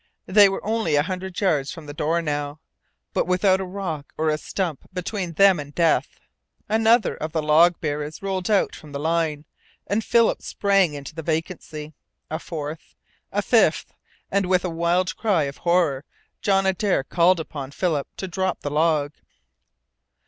They were only a hundred yards from the door now, but without a rock or a stump between them and death. Another of the log bearers rolled out from the line, and Philip sprang into the vacancy. A fourth, a fifth and with a wild cry of horror John Adare called upon Philip to drop the log.